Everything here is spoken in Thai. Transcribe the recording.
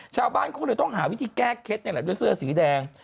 ชาวบ้านเขาเลยต้องหาวิธีแก้เคล็ดนี่แหละด้วยเสื้อสีแดง